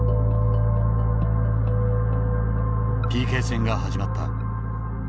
ＰＫ戦が始まった。